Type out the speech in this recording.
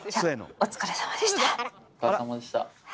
お疲れさまです。